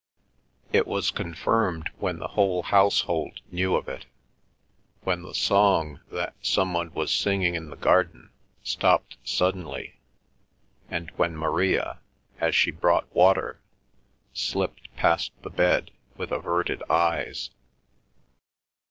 It was confirmed when the whole household knew of it, when the song that some one was singing in the garden stopped suddenly, and when Maria, as she brought water, slipped past the bed with averted eyes.